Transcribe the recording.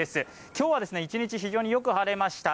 今日は一日、非常によく晴れました